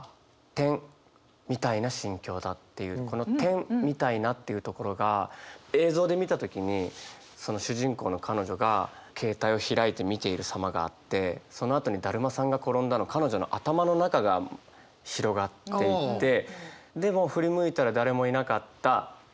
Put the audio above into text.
この「、みたいな」っていうところが映像で見た時にその主人公の彼女が携帯を開いて見ているさまがあってそのあとに「だるまさんがころんだ」の彼女の頭の中が広がっていてでも「振り向いたらだれもいなかった、」。